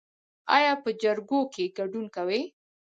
ایا په جرګو کې ګډون کوئ؟